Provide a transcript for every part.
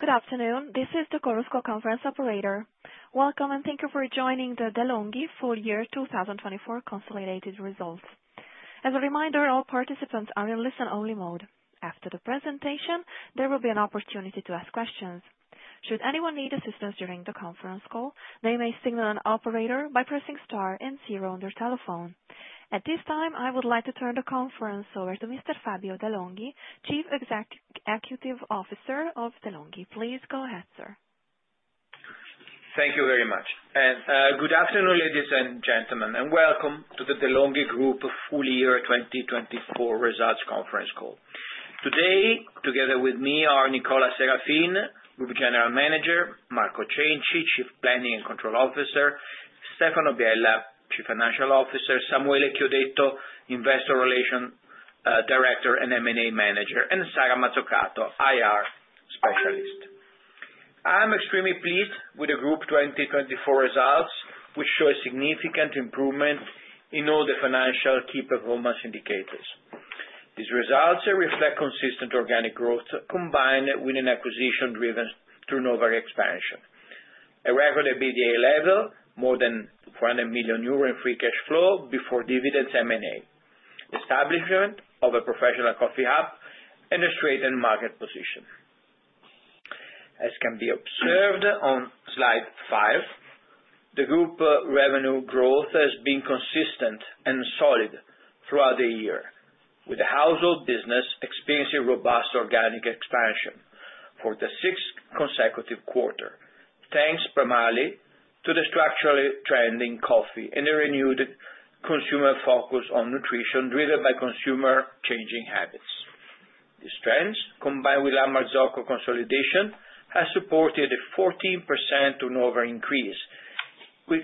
Good afternoon, this is the Chorus Call conference operator. Welcome and thank you for joining the De'Longhi full year 2024 consolidated results. As a reminder, all participants are in listen-only mode. After the presentation, there will be an opportunity to ask questions. Should anyone need assistance during the conference call, they may signal an operator by pressing star and zero on their telephone. At this time, I would like to turn the conference over to Mr. Fabio de' Longhi, Chief Executive Officer of De'Longhi. Please go ahead, sir. Thank you very much. Good afternoon, ladies and gentlemen, and welcome to the De'Longhi Group full year 2024 results conference call. Today, together with me, are Nicola Serafin, Group General Manager; Marco Cenci, Chief Planning and Control Officer; Stefano Biella, Chief Financial Officer; Samuele Chiodetto, Investor Relations Director and M&A Manager; and Sara Mazzucato, IR Specialist. I'm extremely pleased with the Group 2024 results, which show a significant improvement in all the financial key performance indicators. These results reflect consistent organic growth combined with an acquisition-driven turnover expansion, a record EBITDA level, more than 400 million euro in free cash flow before dividends and M&A, establishment of a professional coffee hub, and a straightened market position. As can be observed on Slide Five, the Group revenue growth has been consistent and solid throughout the year, with the household business experiencing robust organic expansion for the sixth consecutive quarter, thanks primarily to the structurally trending coffee and the renewed consumer focus on nutrition driven by consumer changing habits. These trends, combined with La Marzocco consolidation, have supported a 14% turnover increase, which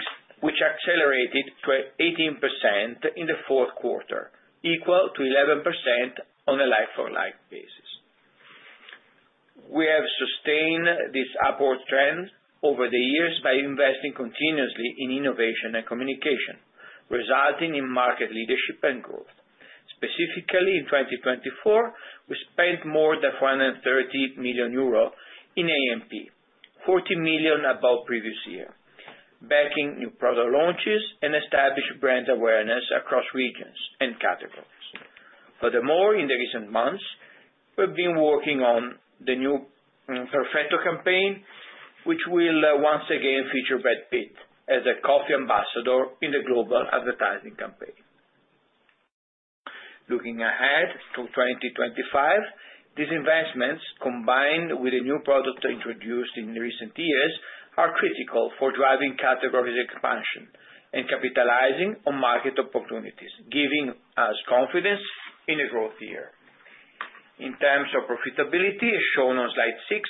accelerated to 18% in the fourth quarter, equal to 11% on a like-for-like basis. We have sustained this upward trend over the years by investing continuously in innovation and communication, resulting in market leadership and growth. Specifically, in 2024, we spent more than 430 million euro in A&P, 40 million above previous year, backing new product launches and established brand awareness across regions and categories. Furthermore, in the recent months, we've been working on the new Perfetto campaign, which will once again feature Brad Pitt as a coffee ambassador in the global advertising campaign. Looking ahead to 2025, these investments, combined with the new products introduced in recent years, are critical for driving categories expansion and capitalizing on market opportunities, giving us confidence in a growth year. In terms of profitability, as shown on Slide Six,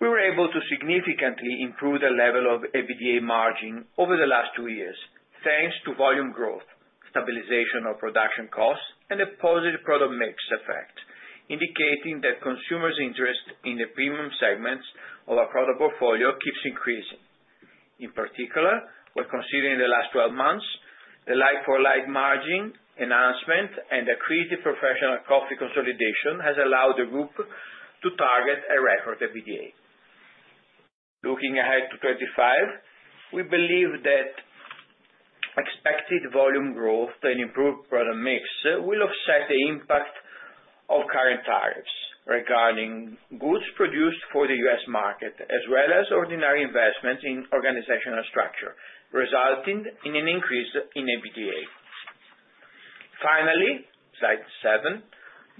we were able to significantly improve the level of EBITDA margin over the last two years, thanks to volume growth, stabilization of production costs, and a positive product mix effect, indicating that consumers' interest in the premium segments of our product portfolio keeps increasing. In particular, when considering the last 12 months, the like-for-like margin enhancement and the accretive professional coffee consolidation has allowed the Group to target a record EBITDA. Looking ahead to 2025, we believe that expected volume growth and improved product mix will offset the impact of current tariffs regarding goods produced for the U.S. market, as well as ordinary investments in organizational structure, resulting in an increase in EBITDA. Finally, Slide Seven,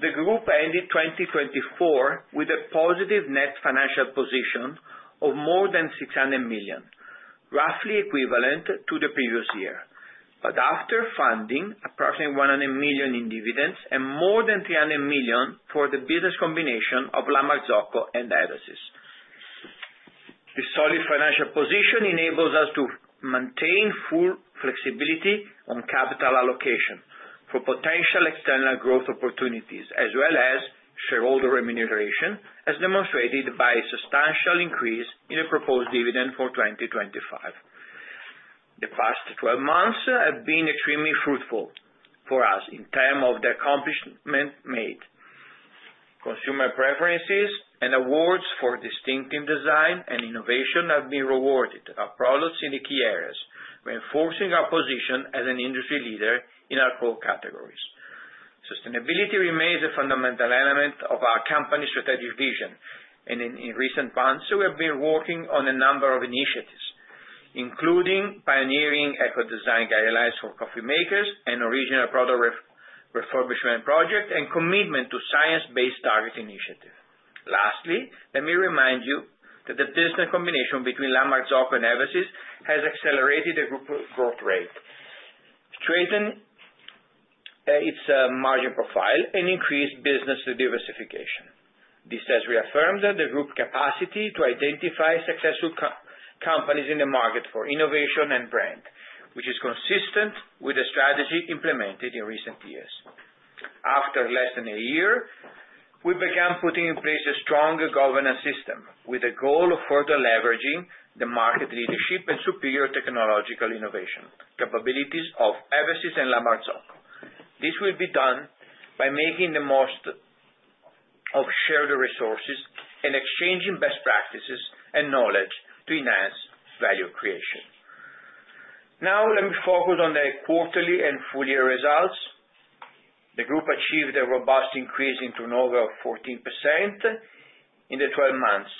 the Group ended 2024 with a positive net financial position of more than 600 million, roughly equivalent to the previous year, but after funding approximately 100 million in dividends and more than 300 million for the business combination of La Marzocco and Eversys. This solid financial position enables us to maintain full flexibility on capital allocation for potential external growth opportunities, as well as shareholder remuneration, as demonstrated by a substantial increase in the proposed dividend for 2025. The past 12 months have been extremely fruitful for us in terms of the accomplishments made. Consumer preferences and awards for distinctive design and innovation have been rewarded our products in the key areas, reinforcing our position as an industry leader in our core categories. Sustainability remains a fundamental element of our company's strategic vision, and in recent months, we have been working on a number of initiatives, including pioneering eco-design guidelines for coffee makers and original product refurbishment projects and commitment to science-based target initiatives. Lastly, let me remind you that the business combination between La Marzocco and Eversys has accelerated the Group's growth rate, strengthened its margin profile, and increased business diversification. This has reaffirmed the Group's capacity to identify successful companies in the market for innovation and brand, which is consistent with the strategy implemented in recent years. After less than a year, we began putting in place a stronger governance system with the goal of further leveraging the market leadership and superior technological innovation capabilities of Eversys and La Marzocco. This will be done by making the most of shared resources and exchanging best practices and knowledge to enhance value creation. Now, let me focus on the quarterly and full year results. The Group achieved a robust increase in turnover of 14% in the 12 months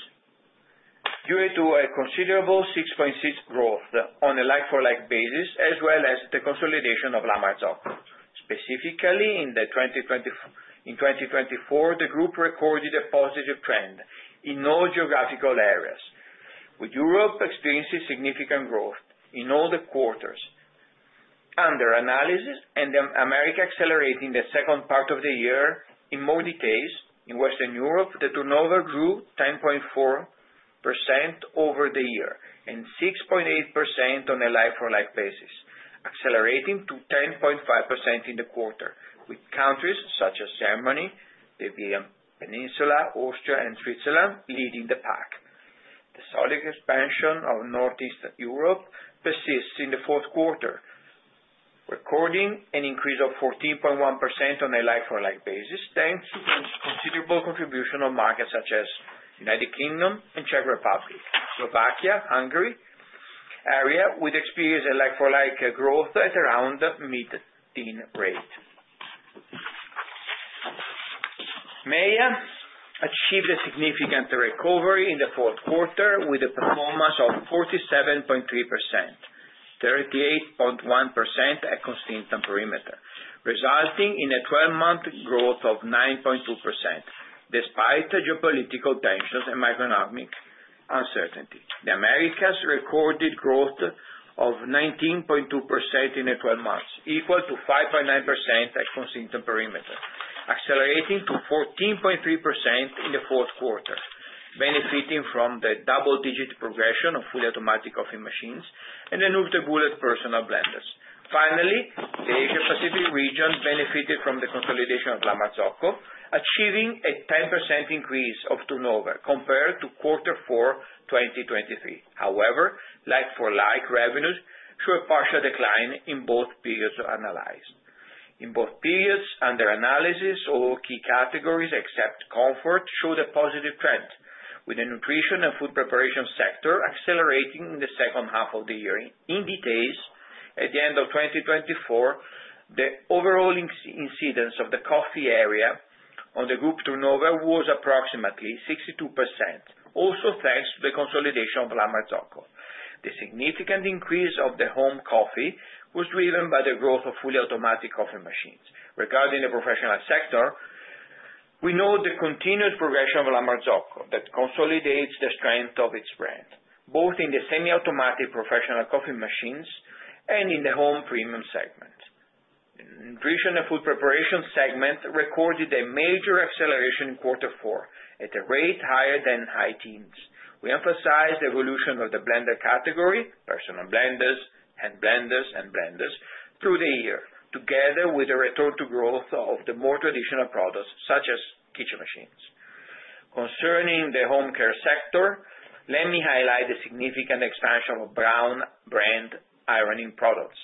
due to a considerable 6.6% growth on a like-for-like basis, as well as the consolidation of La Marzocco. Specifically, in 2024, the Group recorded a positive trend in all geographical areas, with Europe experiencing significant growth in all the quarters under analysis and America accelerating the second part of the year in more detail. In Western Europe, the turnover grew 10.4% over the year and 6.8% on a like-for-like basis, accelerating to 10.5% in the quarter, with countries such as Germany, the Iberian Peninsula, Austria, and Switzerland leading the pack. The solid expansion of Northeast Europe persists in the fourth quarter, recording an increase of 14.1% on a like-for-like basis, thanks to considerable contribution of markets such as the United Kingdom and Czech Republic, Slovakia, Hungary, with experienced like-for-like growth at around a mid-teen rate. MEA achieved a significant recovery in the fourth quarter with a performance of 47.3%, 38.1% at consistent perimeter, resulting in a 12-month growth of 9.2% despite geopolitical tensions and macroeconomic uncertainty. The Americas recorded growth of 19.2% in 12 months, equal to 5.9% at consistent perimeter, accelerating to 14.3% in the fourth quarter, benefiting from the double-digit progression of fully automatic coffee machines and the new NutriBullet personal blenders. Finally, the Asia-Pacific region benefited from the consolidation of La Marzocco, achieving a 10% increase of turnover compared to quarter four 2023. However, like-for-like revenues show a partial decline in both periods analyzed. In both periods under analysis, all key categories except comfort showed a positive trend, with the nutrition and food preparation sector accelerating in the second half of the year. In detail, at the end of 2024, the overall incidence of the coffee area on the Group turnover was approximately 62%, also thanks to the consolidation of La Marzocco. The significant increase of the home coffee was driven by the growth of fully automatic coffee machines. Regarding the professional sector, we note the continued progression of La Marzocco that consolidates the strength of its brand, both in the semi-automatic professional coffee machines and in the home premium segment. Nutrition and food preparation segment recorded a major acceleration in quarter four at a rate higher than high teens. We emphasize the evolution of the blender category, personal blenders, hand blenders, and blenders through the year, together with the return to growth of the more traditional products such as kitchen machines. Concerning the home care sector, let me highlight the significant expansion of Braun brand ironing products,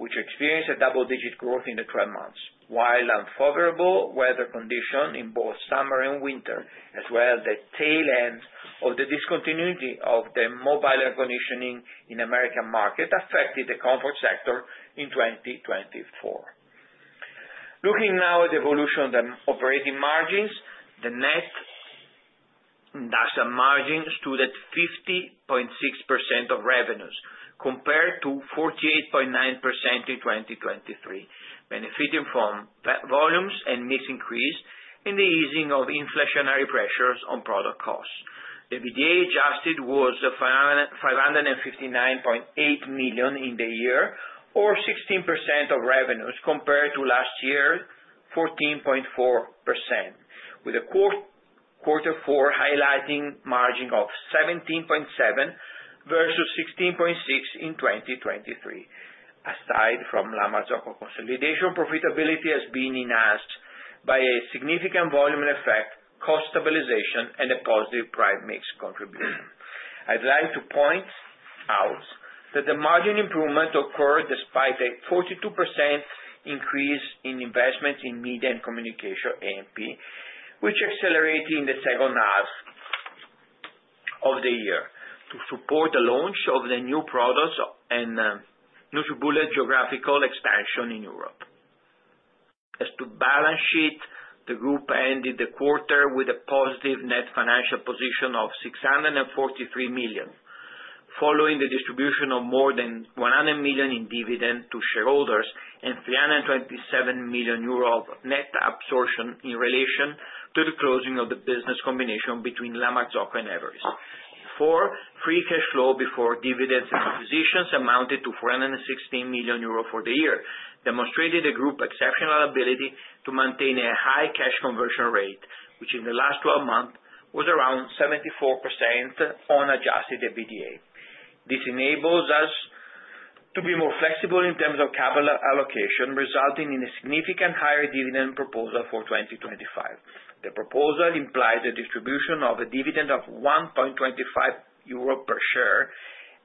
which experienced a double-digit growth in the 12 months, while unfavorable weather conditions in both summer and winter, as well as the tail end of the discontinuity of the mobile air conditioning in the American market, affected the comfort sector in 2024. Looking now at the evolution of the operating margins, the net margin stood at 50.6% of revenues compared to 48.9% in 2023, benefiting from volumes and mix increase and the easing of inflationary pressures on product costs. The EBITDA adjusted was 559.8 million in the year, or 16% of revenues compared to last year's 14.4%, with quarter four highlighting margin of 17.7% versus 16.6% in 2023. Aside from La Marzocco consolidation, profitability has been enhanced by a significant volume effect, cost stabilization, and a positive price mix contribution. I'd like to point out that the margin improvement occurred despite a 42% increase in investments in media and communication A&P, which accelerated in the second half of the year to support the launch of the new products and new NutriBullet geographical expansion in Europe. As to balance sheet, the Group ended the quarter with a positive net financial position of 643 million, following the distribution of more than 100 million in dividends to shareholders and 327 million euro net absorption in relation to the closing of the business combination between La Marzocco and Eversys. For free cash flow before dividends and acquisitions amounted to 416 million euros for the year, demonstrating the Group's exceptional ability to maintain a high cash conversion rate, which in the last 12 months was around 74% on adjusted EBITDA. This enables us to be more flexible in terms of capital allocation, resulting in a significant higher dividend proposal for 2025. The proposal implies a distribution of a dividend of 1.25 euro per share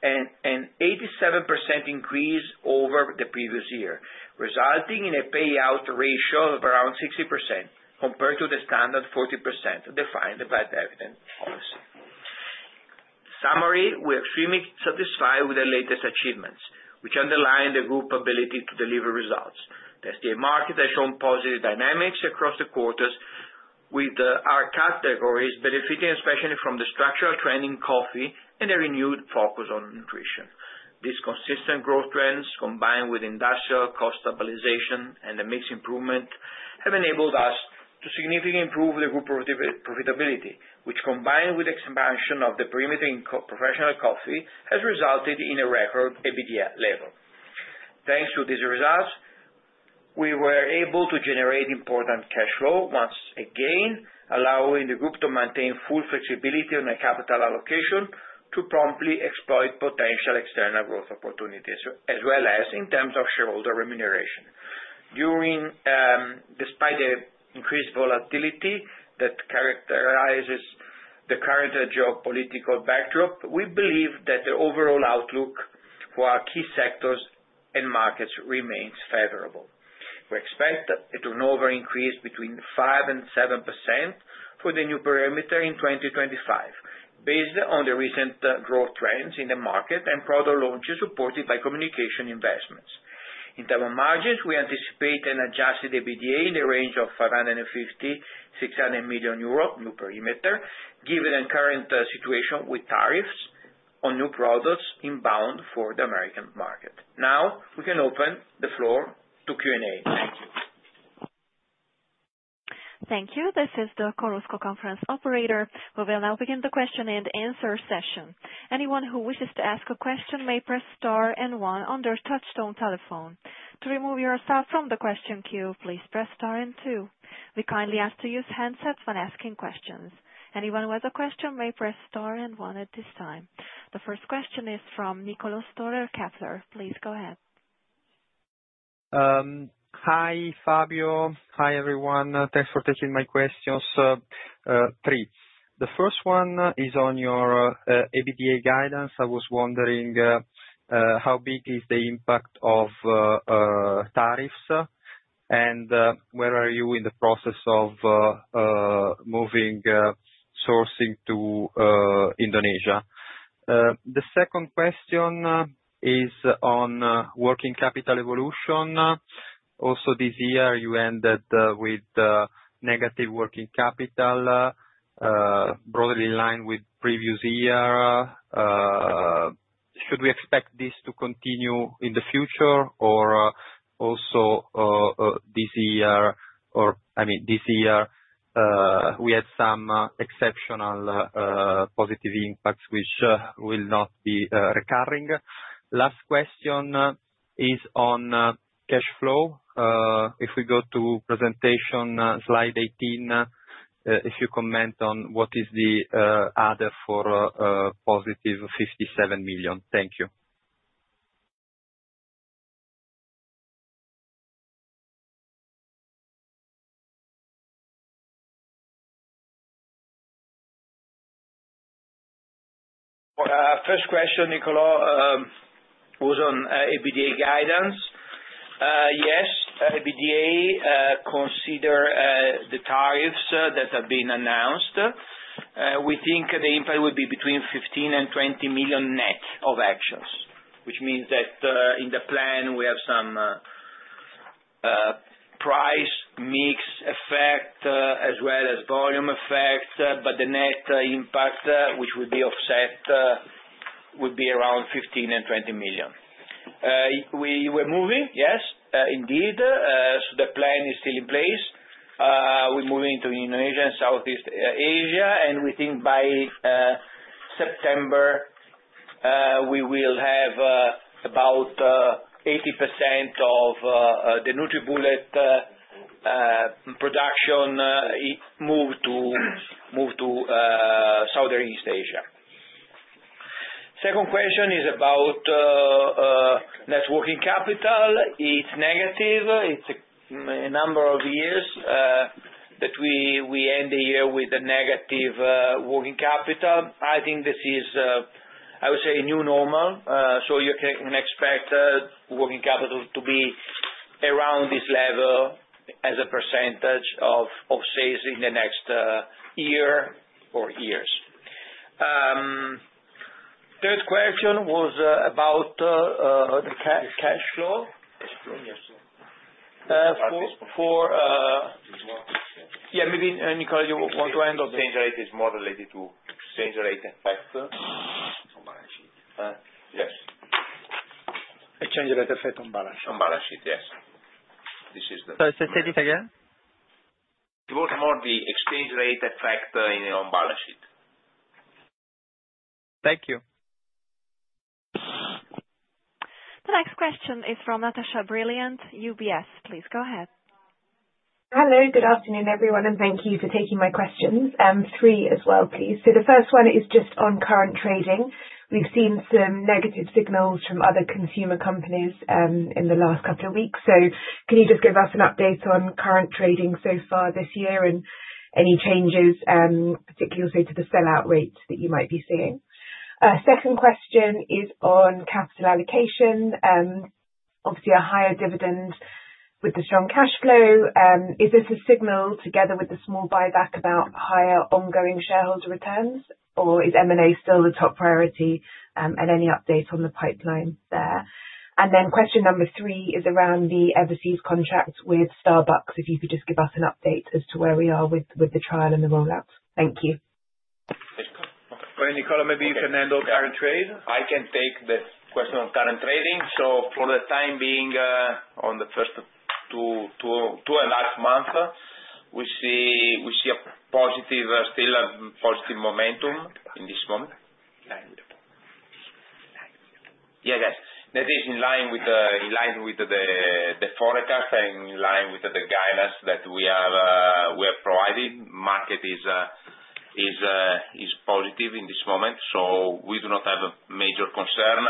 and an 87% increase over the previous year, resulting in a payout ratio of around 60% compared to the standard 40% defined by the dividend policy. In summary, we are extremely satisfied with the latest achievements, which underline the Group's ability to deliver results. The SDA market has shown positive dynamics across the quarters, with our categories benefiting especially from the structural trend in coffee and a renewed focus on nutrition. These consistent growth trends, combined with industrial cost stabilization and the mix improvement, have enabled us to significantly improve the Group's profitability, which, combined with the expansion of the perimeter in professional coffee, has resulted in a record EBITDA level. Thanks to these results, we were able to generate important cash flow once again, allowing the Group to maintain full flexibility on the capital allocation to promptly exploit potential external growth opportunities, as well as in terms of shareholder remuneration. Despite the increased volatility that characterizes the current geopolitical backdrop, we believe that the overall outlook for our key sectors and markets remains favorable. We expect a turnover increase between 5% and 7% for the new perimeter in 2025, based on the recent growth trends in the market and product launches supported by communication investments. In terms of margins, we anticipate an adjusted EBITDA in the range of 550 million-600 million euro new perimeter, given the current situation with tariffs on new products inbound for the American market. Now, we can open the floor to Q&A. Thank you. Thank you. This is the Chorus Call conference operator. We will now begin the question and answer session. Anyone who wishes to ask a question may press star and one on their touchstone telephone. To remove yourself from the question queue, please press star and two. We kindly ask to use handsets when asking questions. Anyone who has a question may press star and one at this time. The first question is from Niccolò Storer, Kepler. Please go ahead. Hi, Fabio. Hi, everyone. Thanks for taking my questions. Three. The first one is on your EBITDA guidance. I was wondering how big is the impact of tariffs and where are you in the process of moving sourcing to Indonesia? The second question is on working capital evolution. Also, this year, you ended with negative working capital, broadly in line with previous year. Should we expect this to continue in the future, or also this year? I mean, this year, we had some exceptional positive impacts, which will not be recurring. Last question is on cash flow. If we go to presentation Slide 18, if you comment on what is the other for positive 57 million. Thank you. First question, Nikolaos, was on EBITDA guidance. Yes, EBITDA considers the tariffs that have been announced. We think the impact would be between 15 million and 20 million net of actions, which means that in the plan, we have some price mix effect as well as volume effect, but the net impact, which would be offset, would be around 15 million and 20 million. We were moving, yes, indeed. The plan is still in place. We're moving into Indonesia and Southeast Asia, and we think by September, we will have about 80% of the NutriBullet production moved to Southeast Asia. Second question is about net working capital. It's negative. It's a number of years that we end the year with a negative working capital. I think this is, I would say, a new normal. You can expect working capital to be around this level as a percentage of sales in the next year or years. Third question was about the cash flow. Cash flow, yes. For. Yeah, maybe, Nicola, you want to add on. Exchange rate is more related to exchange rate effect. On balance sheet. Yes. Exchange rate effect on balance sheet. On balance sheet, yes. This is. Say it again. It was more the exchange rate effect on balance sheet. Thank you. The next question is from Natasha Brilliant, UBS. Please go ahead. Hello. Good afternoon, everyone, and thank you for taking my questions. Three as well, please. The first one is just on current trading. We've seen some negative signals from other consumer companies in the last couple of weeks. Can you just give us an update on current trading so far this year and any changes, particularly also to the sell-out rates that you might be seeing? Second question is on capital allocation. Obviously, a higher dividend with the strong cash flow. Is this a signal together with the small buyback about higher ongoing shareholder returns, or is M&A still the top priority and any updates on the pipeline there? Question number three is around the overseas contract with Starbucks. If you could just give us an update as to where we are with the trial and the rollout. Thank you. For Nicola Serafin, maybe you can handle current trade. I can take the question on current trading. For the time being, on the first two and a half months, we see still a positive momentum in this moment. Yeah, guys. That is in line with the forecast and in line with the guidance that we have provided. Market is positive in this moment, so we do not have a major concern,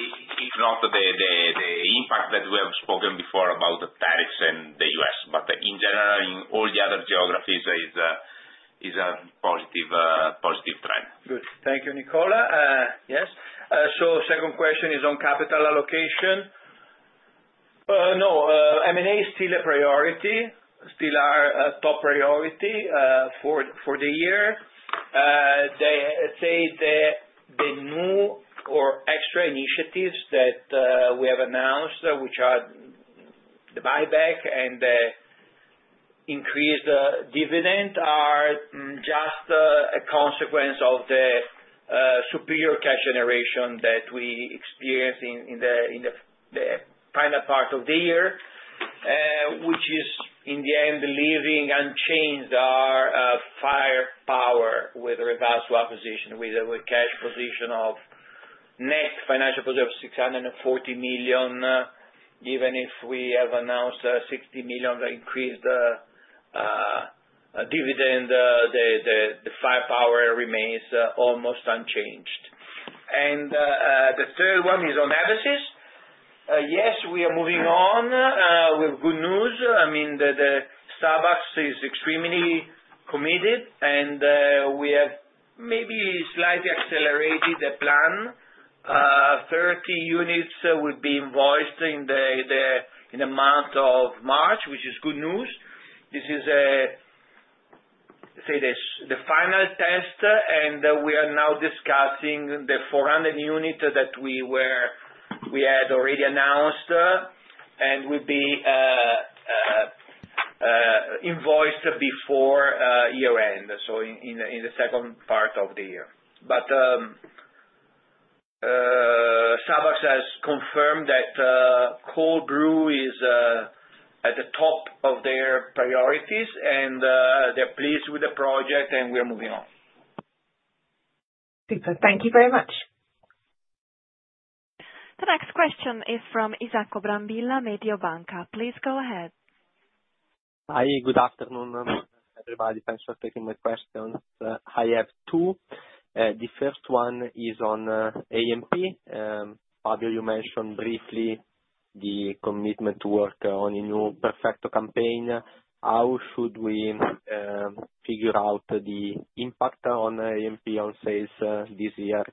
if not the impact that we have spoken before about the tariffs in the U.S., but in general, in all the other geographies, is a positive trend. Good. Thank you, Nicola. Yes. Second question is on capital allocation. No. M&A is still a priority, still our top priority for the year. They say the new or extra initiatives that we have announced, which are the buyback and the increased dividend, are just a consequence of the superior cash generation that we experienced in the final part of the year, which is, in the end, leaving unchanged our firepower with regards to acquisition, with a cash position of net financial position of 640 million. Even if we have announced a 60 million increased dividend, the firepower remains almost unchanged. The third one is on overseas. Yes, we are moving on with good news. I mean, Starbucks is extremely committed, and we have maybe slightly accelerated the plan. Thirty units would be invoiced in the month of March, which is good news. This is, say, the final test, and we are now discussing the 400 units that we had already announced, and will be invoiced before year-end, in the second part of the year. Starbucks has confirmed that cold brew is at the top of their priorities, and they're pleased with the project, and we are moving on. Super. Thank you very much. The next question is from Isacco Brambilla, Mediobanca. Please go ahead. Hi. Good afternoon, everybody. Thanks for taking my questions. I have two. The first one is on A&P. Fabio, you mentioned briefly the commitment to work on a new Perfetto campaign. How should we figure out the impact on A&P on sales this year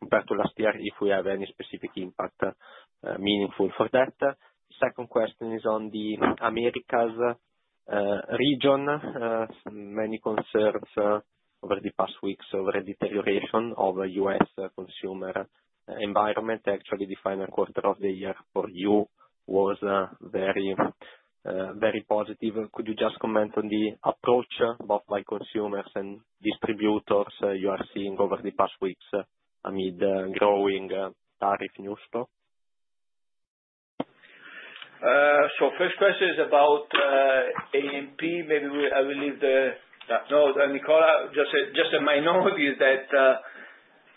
compared to last year, if we have any specific impact meaningful for that? Second question is on the Americas region. Many concerns over the past weeks over deterioration of the U.S. consumer environment. Actually, the final quarter of the year for you was very positive. Could you just comment on the approach both by consumers and distributors you are seeing over the past weeks amid growing tariff news flow? First question is about A&P. Maybe I will leave the no. Nicola, just a minority that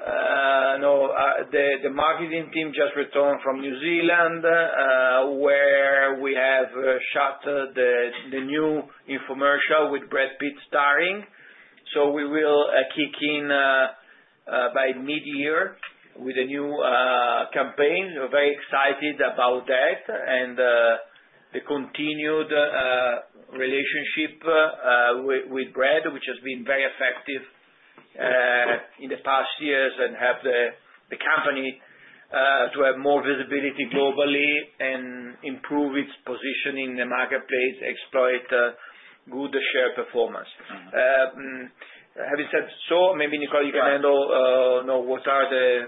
the marketing team just returned from New Zealand, where we have shot the new infomercial with Brad Pitt starring. We will kick in by mid-year with a new campaign. We're very excited about that and the continued relationship with Brad, which has been very effective in the past years and helped the company to have more visibility globally and improve its position in the marketplace, exploit good share performance. Having said so, maybe, Nicola, you can handle what are the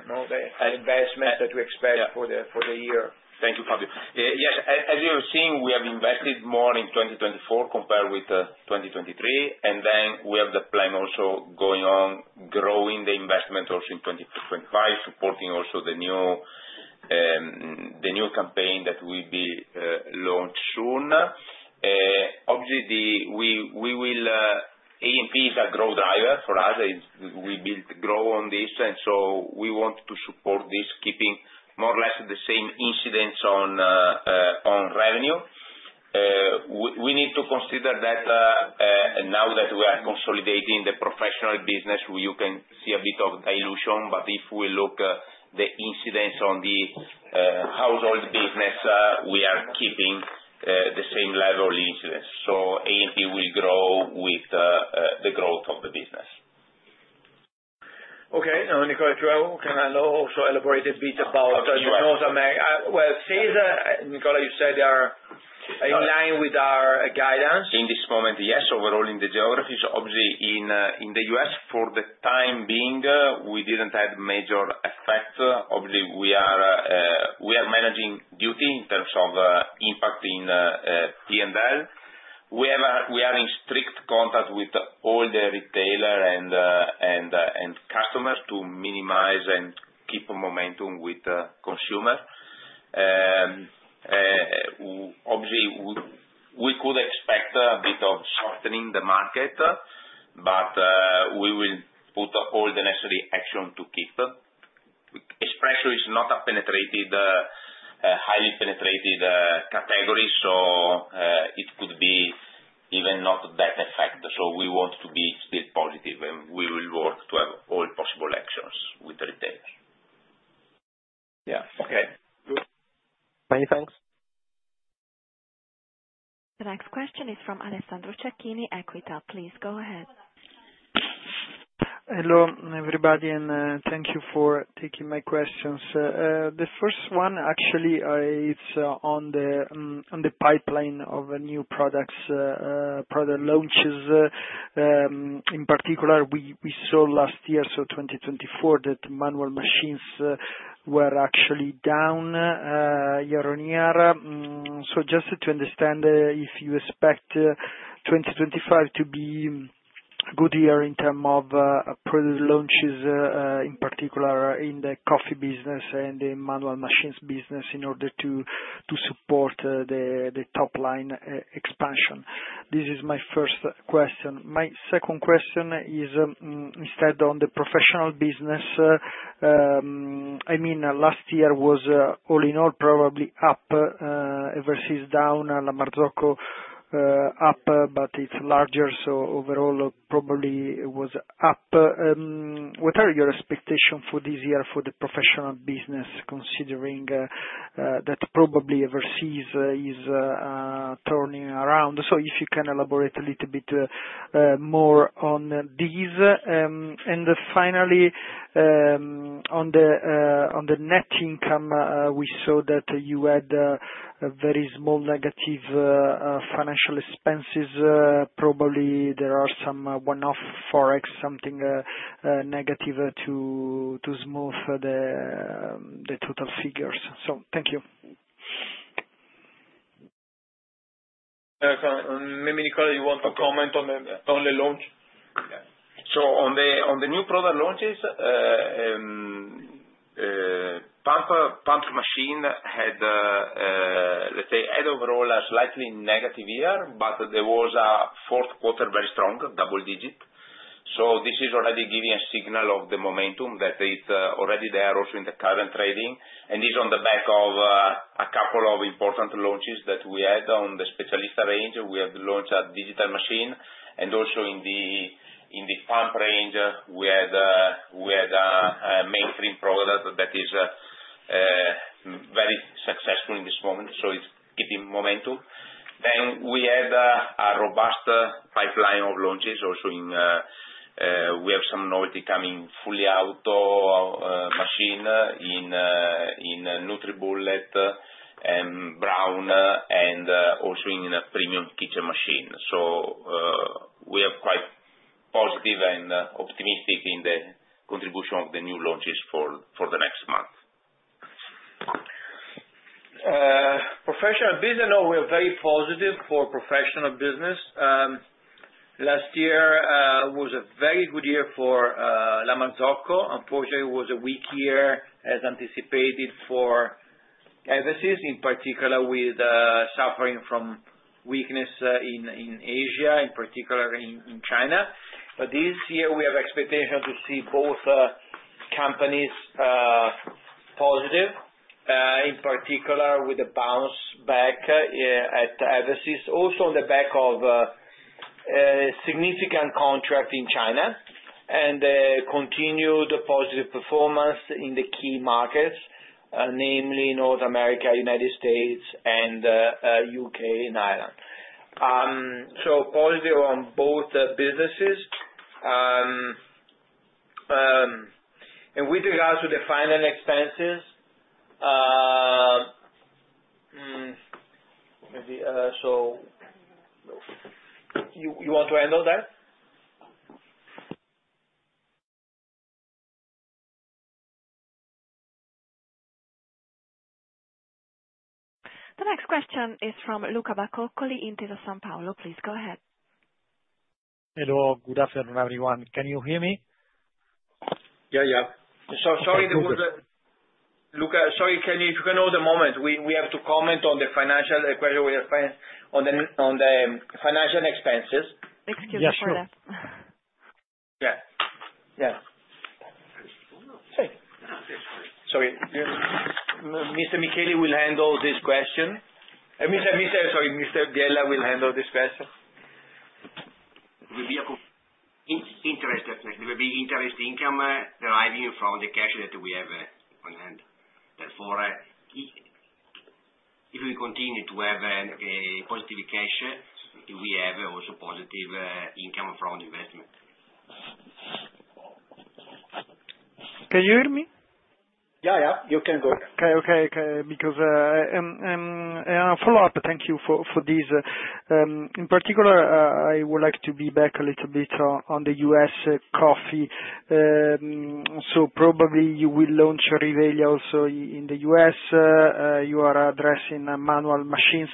investments that we expect for the year. Thank you, Fabio. Yes. As you're seeing, we have invested more in 2024 compared with 2023, and then we have the plan also going on, growing the investment also in 2025, supporting also the new campaign that will be launched soon. Obviously, A&P is a growth driver for us. We build growth on this, and so we want to support this, keeping more or less the same incidence on revenue. We need to consider that now that we are consolidating the professional business, you can see a bit of dilution. If we look at the incidence on the household business, we are keeping the same level incidence. A&P will grow with the growth of the business. Nicola, you can also elaborate a bit about. Thank you. Sales, Nicola, you said they are in line with our guidance. In this moment, yes, overall in the geographies. Obviously, in the U.S., for the time being, we did not have major effect. Obviously, we are managing duty in terms of impact in P&L. We are in strict contact with all the retailers and customers to minimize and keep momentum with consumers. Obviously, we could expect a bit of softening in the market, but we will put all the necessary action to keep. Espresso is not a highly penetrated category, so it could be even not that effective. We want to be still positive, and we will work to have all possible actions with the retailers. Yeah. Okay. Many thanks. The next question is from Alessandro Cecchini, Equita. Please go ahead. Hello, everybody, and thank you for taking my questions. The first one, actually, it's on the pipeline of new products, product launches. In particular, we saw last year, so 2024, that manual machines were actually down year-on-year. Just to understand if you expect 2025 to be a good year in terms of product launches, in particular in the coffee business and the manual machines business in order to support the top-line expansion. This is my first question. My second question is instead on the professional business. I mean, last year was all in all probably up versus down. La Marzocco up, but it's larger, so overall, probably it was up. What are your expectations for this year for the professional business, considering that probably overseas is turning around? If you can elaborate a little bit more on these. Finally, on the net income, we saw that you had very small negative financial expenses. Probably there are some one-off forex, something negative to smooth the total figures. Thank you. Maybe, Nicola, you want to comment on the launch? On the new product launches, pump machine had, let's say, had overall a slightly negative year, but there was a fourth quarter very strong double digit. This is already giving a signal of the momentum that is already there also in the current trading. This is on the back of a couple of important launches that we had on the Specialista range. We had launched a digital machine, and also in the pump range, we had a mainstream product that is very successful in this moment, so it's keeping momentum. We had a robust pipeline of launches also in, we have some novelty coming, fully auto machine in NutriBullet and Braun, and also in a premium kitchen machine. We are quite positive and optimistic in the contribution of the new launches for the next month. Professional business, no, we are very positive for professional business. Last year was a very good year for La Marzocco. Unfortunately, it was a weak year as anticipated for Eversys, in particular with suffering from weakness in Asia, in particular in China. This year, we have expectations to see both companies positive, in particular with the bounce back at overseas, also on the back of significant contract in China and continued positive performance in the key markets, namely North America, United States, and U.K. and Ireland. Positive on both businesses. With regards to the final expenses, do you want to handle that? The next question is from Luca Bacoccoli, Intesa Sanpaolo. Please go ahead. Hello. Good afternoon, everyone. Can you hear me? Yeah, yeah. Sorry, Luca, can you turn on the moment? We have to comment on the financial equation on the financial expenses. Excuse me for that. Yeah. Sorry. Mr. Michele will handle this question. Sorry, Mr. Biella will handle this question. There will be interest income deriving from the cash that we have on hand. Therefore, if we continue to have positive cash, we have also positive income from investment. Can you hear me? Yeah, yeah. You can go. Okay. Okay. Because I'll follow up. Thank you for these. In particular, I would like to be back a little bit on the U.S. coffee. You will probably launch Rivelia also in the U.S. You are addressing manual machines.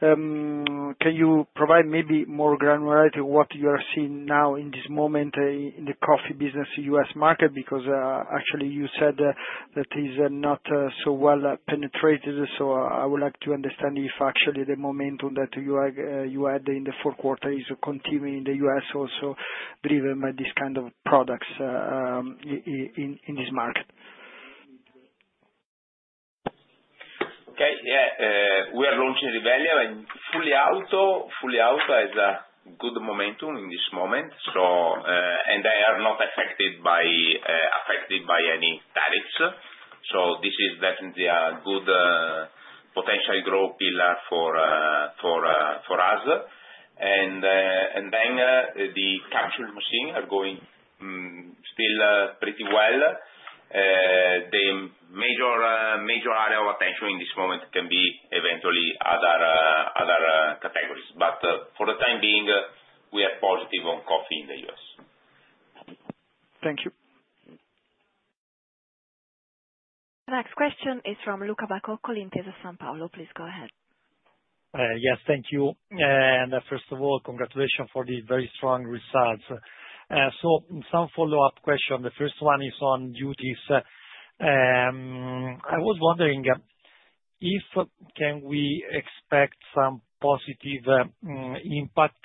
Can you provide maybe more granularity of what you are seeing now in this moment in the coffee business U.S. market? Actually, you said that it is not so well penetrated. I would like to understand if actually the momentum that you had in the fourth quarter is continuing in the US also driven by these kind of products in this market. Okay. Yeah. We are launching Rivelia and fully automatic is a good momentum in this moment. They are not affected by any tariffs. This is definitely a good potential growth pillar for us. The capsule machine are going still pretty well. The major area of attention in this moment can be eventually other categories. For the time being, we are positive on coffee in the U.S. Thank you. The next question is from Luca Bacoccoli, Intesa Sanpaolo. Please go ahead. Yes. Thank you. First of all, congratulations for the very strong results. Some follow-up questions. The first one is on duties. I was wondering if can we expect some positive impact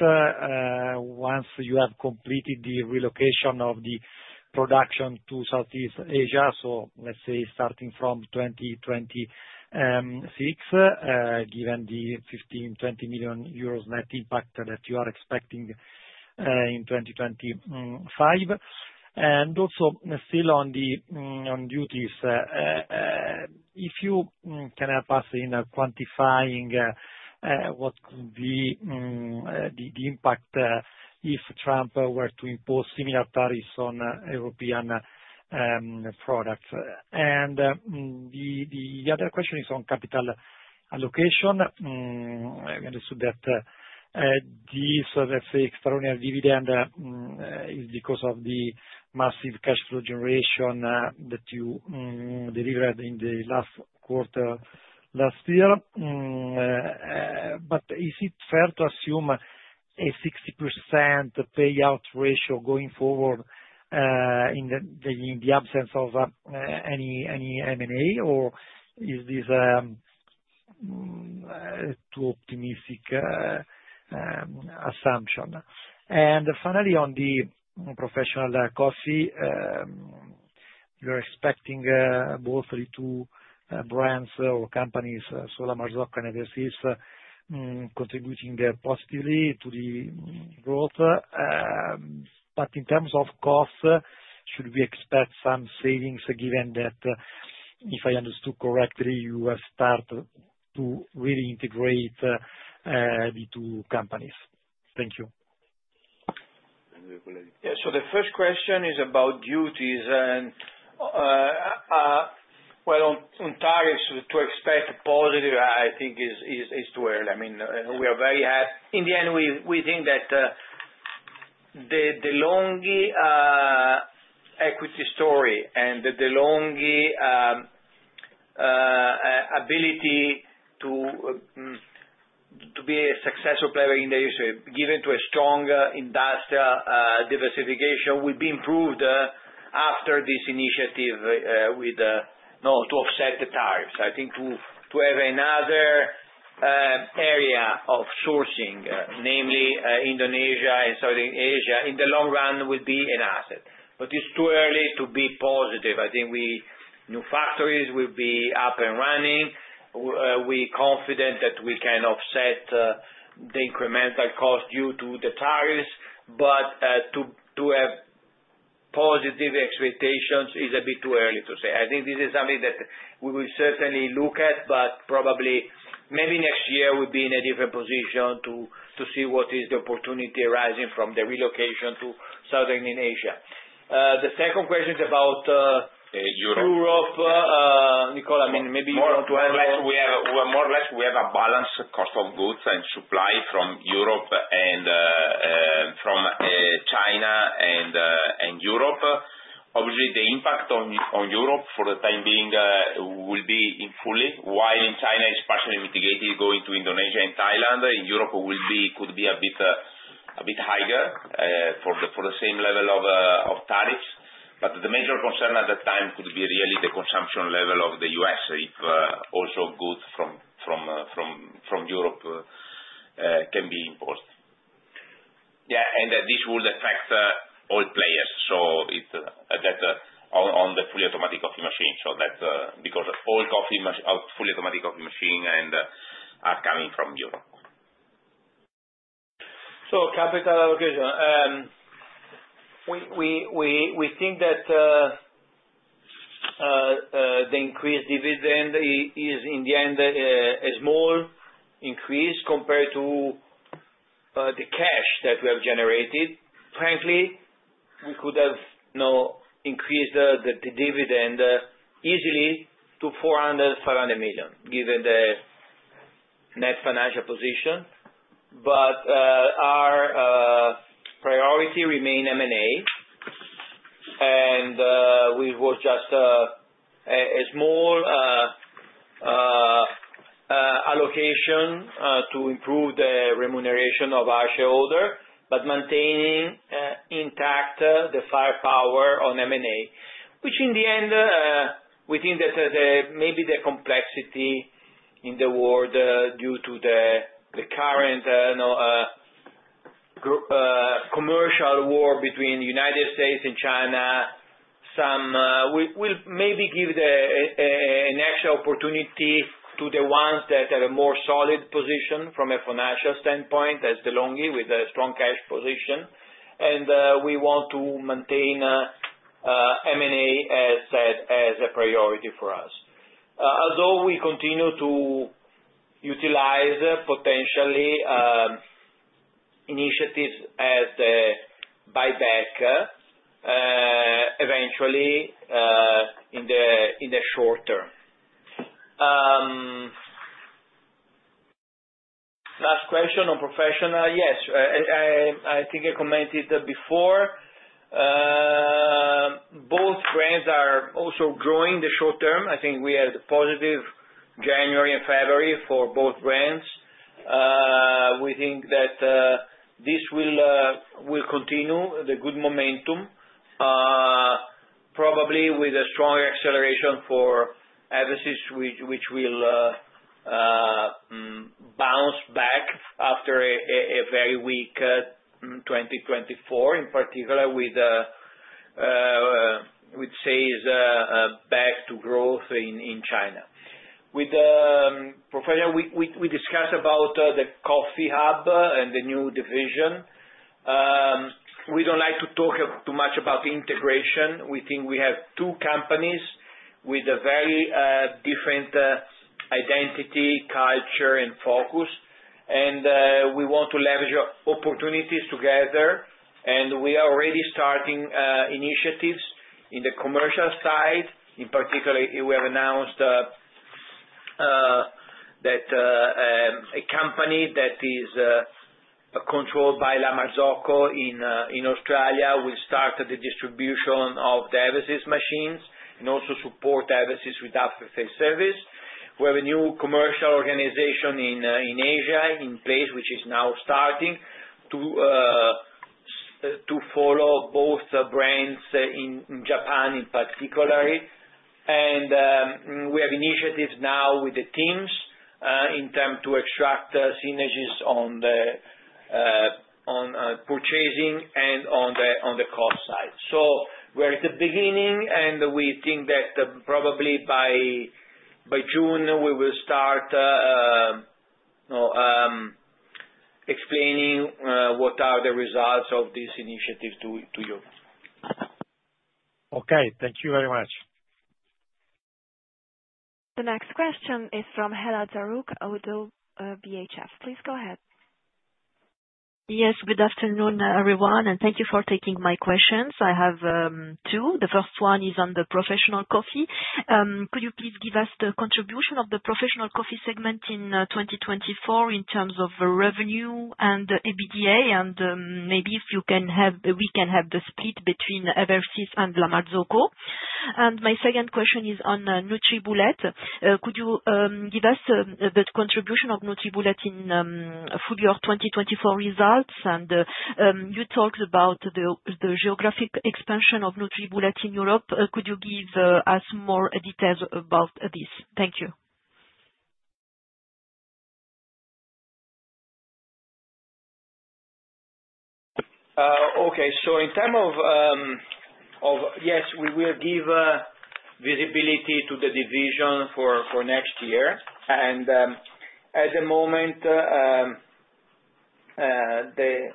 once you have completed the relocation of the production to Southeast Asia, let's say starting from 2026, given the 15 million-20 million euros net impact that you are expecting in 2025? Also still on duties, if you can help us in quantifying what could be the impact if Trump were to impose similar tariffs on European products. The other question is on capital allocation. I understood that this, let's say, extraordinary dividend is because of the massive cash flow generation that you delivered in the last quarter last year. Is it fair to assume a 60% payout ratio going forward in the absence of any M&A, or is this too optimistic assumption? Finally, on the professional coffee, you're expecting both the two brands or companies, so La Marzocco and Eversys, contributing positively to the growth. In terms of cost, should we expect some savings given that, if I understood correctly, you have started to really integrate the two companies? Thank you. Yeah. The first question is about duties. On tariffs, to expect positive, I think, is too early. I mean, we are very happy. In the end, we think that the longer equity story and the longer ability to be a successful player in the industry, given to a stronger industrial diversification, will be improved after this initiative with, no, to offset the tariffs. I think to have another area of sourcing, namely Indonesia and Southern Asia, in the long run, will be an asset. It is too early to be positive. I think new factories will be up and running. We are confident that we can offset the incremental cost due to the tariffs. To have positive expectations is a bit too early to say. I think this is something that we will certainly look at, but probably maybe next year we'll be in a different position to see what is the opportunity arising from the relocation to Southern Asia. The second question is about Europe. Europe. Nicola, I mean, maybe you want to handle that? More or less, we have a balanced cost of goods and supply from Europe and from China and Europe. Obviously, the impact on Europe for the time being will be fully, while in China, it's partially mitigated going to Indonesia and Thailand. In Europe, it could be a bit higher for the same level of tariffs. The major concern at the time could be really the consumption level of the U.S. if also goods from Europe can be imported. Yeah. This will affect all players. On the fully automatic coffee machine, that's because all fully automatic coffee machines are coming from Europe. Capital allocation. We think that the increased dividend is, in the end, a small increase compared to the cash that we have generated. Frankly, we could have increased the dividend easily to 400 million-500 million given the net financial position. Our priority remains M&A, and we will just have a small allocation to improve the remuneration of our shareholder, but maintaining intact the firepower on M&A, which in the end, we think that maybe the complexity in the world due to the current commercial war between the United States and China will maybe give an extra opportunity to the ones that have a more solid position from a financial standpoint as De'Longhi with a strong cash position. We want to maintain M&A as a priority for us. Although we continue to utilize potentially initiatives as the buyback eventually in the short term. Last question on professional. Yes. I think I commented before. Both brands are also growing the short term. I think we had a positive January and February for both brands. We think that this will continue the good momentum, probably with a stronger acceleration for Eversys, which will bounce back after a very weak 2024, in particular with sales back to growth in China. With the professional, we discussed about the coffee hub and the new division. We do not like to talk too much about integration. We think we have two companies with a very different identity, culture, and focus. We want to leverage opportunities together. We are already starting initiatives in the commercial side. In particular, we have announced that a company that is controlled by La Marzocco in Australia will start the distribution of the overseas machines and also support overseas with after-sales service. We have a new commercial organization in Asia in place, which is now starting to follow both brands in Japan in particular. We have initiatives now with the teams in terms to extract synergies on purchasing and on the cost side. We are at the beginning, and we think that probably by June we will start explaining what are the results of this initiative to you. Okay. Thank you very much. The next question is from Héla Zarrouk, Oddo BHF. Please go ahead. Yes. Good afternoon, everyone. Thank you for taking my questions. I have two. The first one is on the professional coffee. Could you please give us the contribution of the professional coffee segment in 2024 in terms of revenue and EBITDA? Maybe if you can have, we can have the split between overseas and La Marzocco. My second question is on NutriBullet. Could you give us the contribution of NutriBullet in full year 2024 results? You talked about the geographic expansion of NutriBullet in Europe. Could you give us more details about this? Thank you. In terms of, yes, we will give visibility to the division for next year. At the moment, the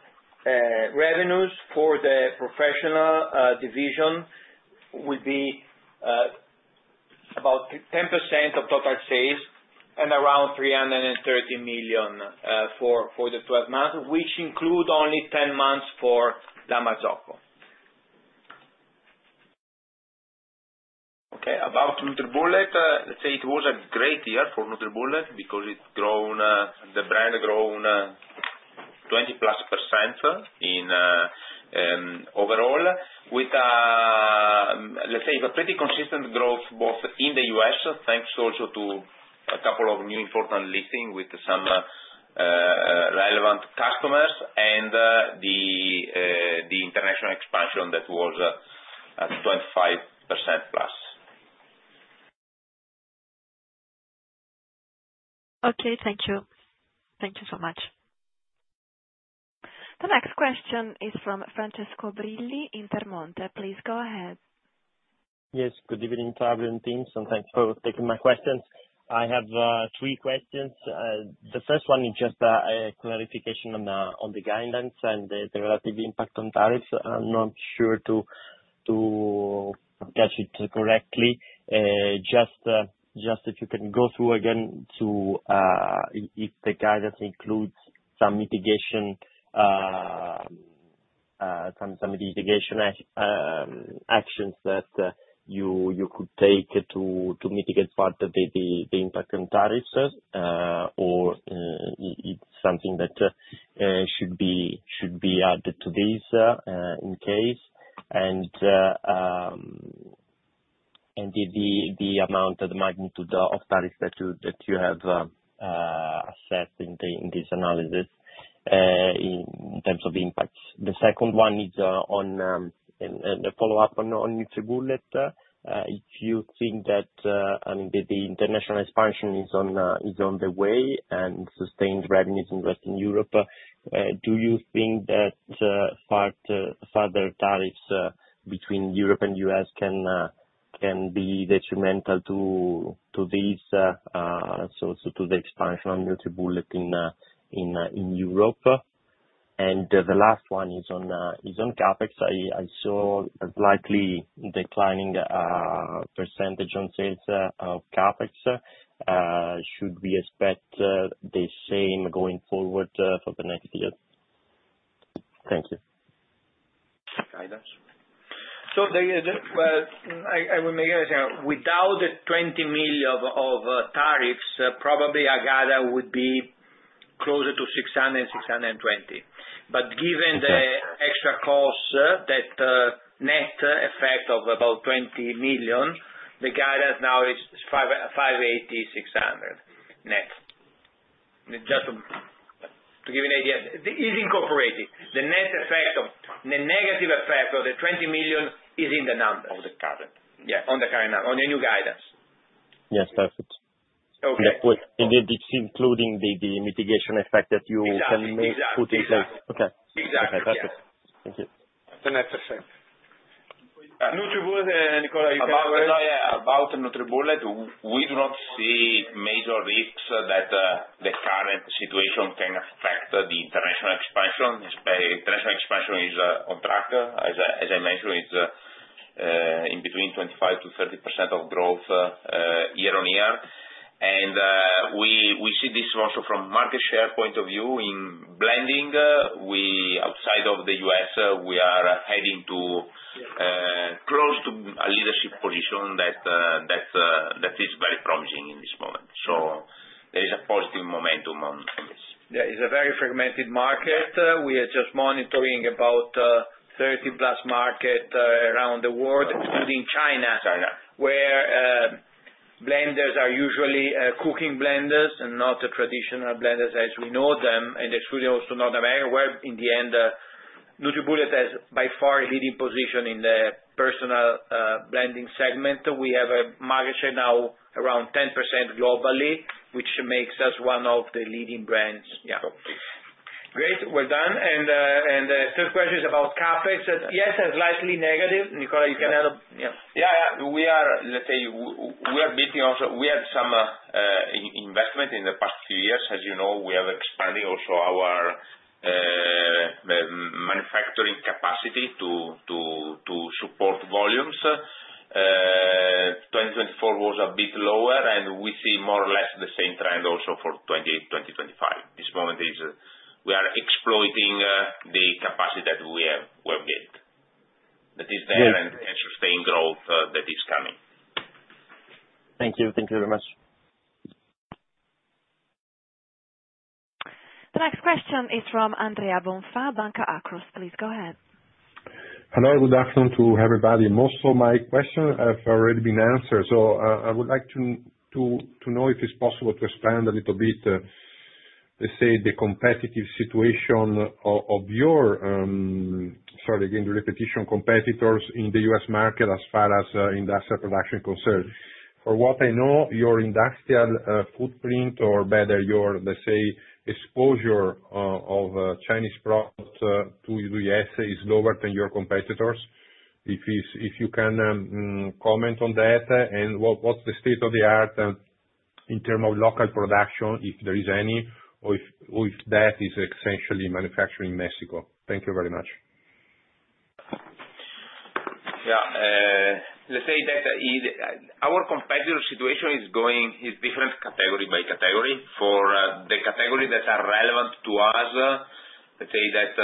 revenues for the professional division will be about 10% of total sales and around 330 million for the 12 months, which include only 10 months for La Marzocco. About NutriBullet, let's say it was a great year for NutriBullet because the brand has grown 20% plus overall, with, let's say, a pretty consistent growth both in the U.S. thanks also to a couple of new important listings with some relevant customers and the international expansion that was 25% plus. Okay. Thank you. Thank you so much. The next question is from Francesco Brilli, Intermonte. Please go ahead. Yes. Good evening, Fabian Teams. And thanks for taking my questions. I have three questions. The first one is just a clarification on the guidelines and the relative impact on tariffs. I'm not sure to catch it correctly. Just if you can go through again to if the guidance includes some mitigation actions that you could take to mitigate part of the impact on tariffs, or it's something that should be added to these in case and the amount and magnitude of tariffs that you have assessed in this analysis in terms of impacts. The second one is on a follow-up on NutriBullet. If you think that, I mean, the international expansion is on the way and sustained revenues in Western Europe, do you think that further tariffs between Europe and U.S. can be detrimental to these, so to the expansion of NutriBullet in Europe? The last one is on CapEx. I saw a slightly declining percentage on sales of CapEx. Should we expect the same going forward for the next year? Thank you. I will make a without the 20 million of tariffs, probably Agada would be closer to 600 million-620 million. Given the extra cost, that net effect of about 20 million, the guidance now is 580 million-600 million net. Just to give you an idea. It's incorporated. The net effect of the negative effect of the 20 million is in the numbers. Of the current. Yeah. On the current number. On the new guidance. Yes. Perfect. Okay. Indeed, it's including the mitigation effect that you can put in place. Yes. Exactly. Okay. Exactly. Perfect. Thank you. The next question. NutriBullet, Nicole, you can go ahead. About NutriBullet, we do not see major risks that the current situation can affect the international expansion. International expansion is on track. As I mentioned, it's in between 25%-30% of growth year-on-year. We see this also from a market share point of view in blending. Outside of the U.S., we are heading to close to a leadership position that is very promising in this moment. There is a positive momentum on this. Yeah. It is a very fragmented market. We are just monitoring about 30-plus markets around the world, including China, where blenders are usually cooking blenders and not traditional blenders as we know them. Excluding also North America, where in the end, NutriBullet has by far a leading position in the personal blending segment. We have a market share now around 10% globally, which makes us one of the leading brands. Yeah. Great. Well done. The third question is about CapEx. Yes, slightly negative. Nicola, you can add on. Yeah. Yeah. Let's say we are building also we had some investment in the past few years. As you know, we have expanded also our manufacturing capacity to support volumes. 2024 was a bit lower, and we see more or less the same trend also for 2025. At this moment we are exploiting the capacity that we have gained. That is there and sustain growth that is coming. Thank you. Thank you very much. The next question is from Andrea Bonfà, Banca Akros. Please go ahead. Hello. Good afternoon to everybody. Most of my questions have already been answered. I would like to know if it's possible to expand a little bit, let's say, the competitive situation of your—sorry, again, the repetition—competitors in the U.S. market as far as industrial production is concerned. For what I know, your industrial footprint, or better, your, let's say, exposure of Chinese products to the U.S. is lower than your competitors. If you can comment on that and what's the state of the art in terms of local production, if there is any, or if that is essentially manufactured in Mexico. Thank you very much. Yeah. Let's say that our competitor situation is going in different categories by category. For the categories that are relevant to us, let's say that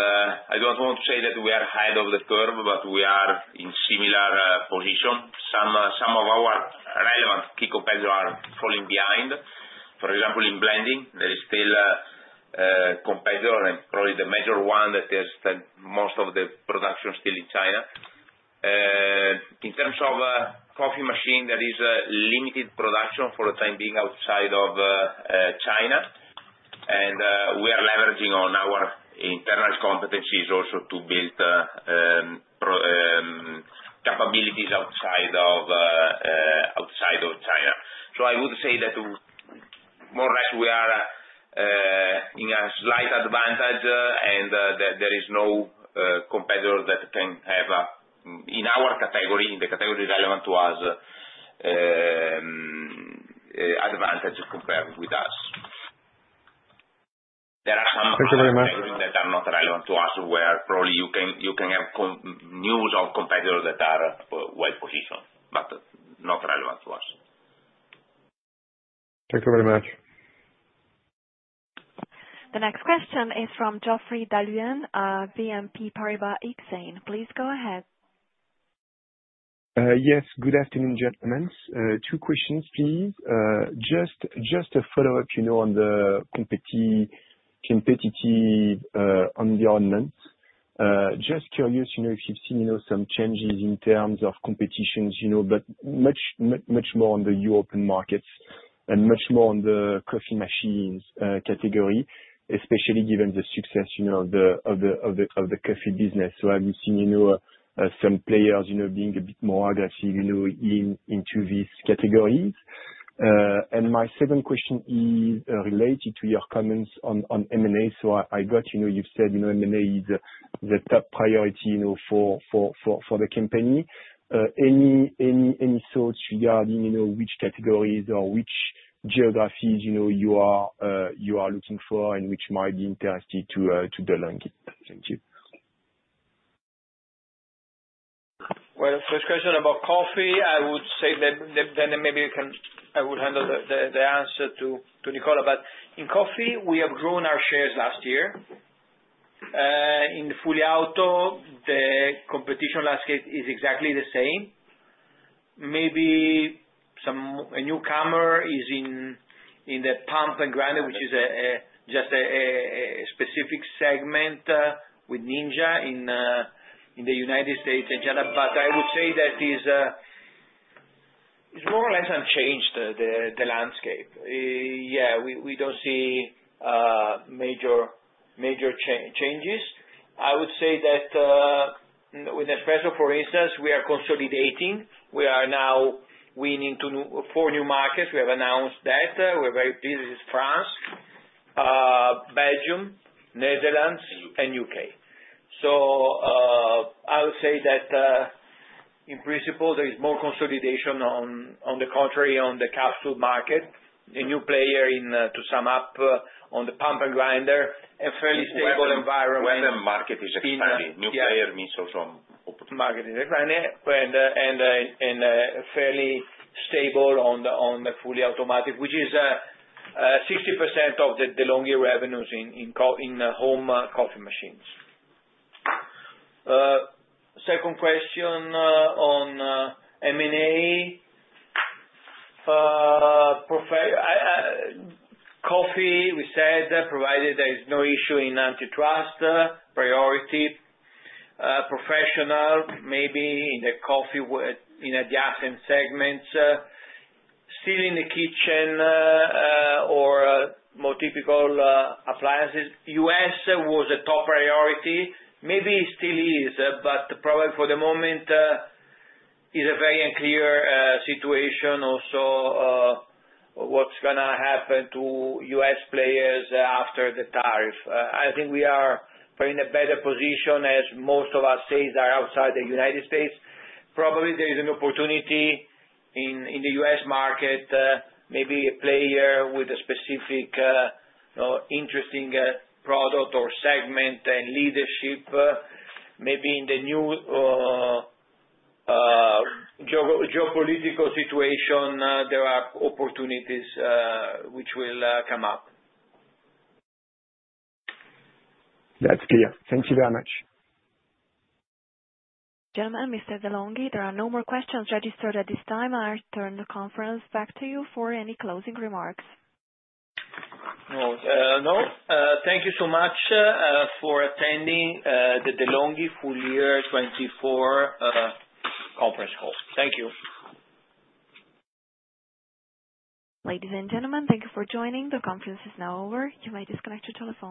I don't want to say that we are ahead of the curve, but we are in a similar position. Some of our relevant key competitors are falling behind. For example, in blending, there is still a competitor, and probably the major one that has most of the production still in China. In terms of coffee machine, there is limited production for the time being outside of China. We are leveraging on our internal competencies also to build capabilities outside of China. I would say that, more or less, we are in a slight advantage, and there is no competitor that can have, in our category, in the category relevant to us, advantage compared with us. There are some other categories that are not relevant to us, where probably you can have news of competitors that are well-positioned but not relevant to us. Thank you very much. The next question is from Geoffrey d'Halluin, BNP Paribas Exane. Please go ahead. Yes. Good afternoon, gentlemen. Two questions, please. Just a follow-up on the competitive environment. Just curious if you've seen some changes in terms of competitions, but much more on the European markets and much more on the coffee machines category, especially given the success of the coffee business. I have seen some players being a bit more aggressive into these categories. My second question is related to your comments on M&A. I got you've said M&A is the top priority for the company. Any thoughts regarding which categories or which geographies you are looking for and which might be interesting to delve into? Thank you. First question about coffee, I would say then maybe I will handle the answer to Nicola. In coffee, we have grown our shares last year. In the fully auto, the competition landscape is exactly the same. Maybe a newcomer is in the pump and grinder, which is just a specific segment with Ninja in the United States and China. I would say that it's more or less unchanged, the landscape. Yeah. We don't see major changes. I would say that with espresso, for instance, we are consolidating. We are now winning four new markets. We have announced that. We're very busy with France, Belgium, Netherlands, and U.K. I would say that, in principle, there is more consolidation on the contrary on the capsule market. A new player, to sum up, on the pump and grinder, a fairly stable environment. When the market is expanding, new player means also opportunity. Market is expanding and fairly stable on the fully automatic, which is 60% of the De'Longhi revenues in home coffee machines. Second question on M&A. Coffee, we said, provided there is no issue in antitrust, priority. Professional, maybe in the coffee in adjacent segments. Stealing the kitchen or more typical appliances. U.S. was a top priority. Maybe it still is, but probably for the moment, it's a very unclear situation also what's going to happen to U.S. players after the tariff. I think we are in a better position as most of our sales are outside the U.S. Probably there is an opportunity in the U.S. market, maybe a player with a specific interesting product or segment and leadership. Maybe in the new geopolitical situation, there are opportunities which will come up. That's clear. Thank you very much. Gentlemen, Mr. de' Longhi, there are no more questions registered at this time. I turn the conference back to you for any closing remarks. No. Thank you so much for attending the De'Longhi Full Year 2024 Conference Call. Thank you. Ladies and gentlemen, thank you for joining. The conference is now over. You may disconnect your telephone.